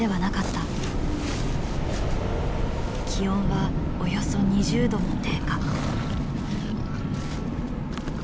気温はおよそ２０度も低下。